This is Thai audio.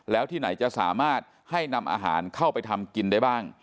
แล้วที่ไหนจะสามารถให้นำอาหารเข้าไปทำกินได้บ้าง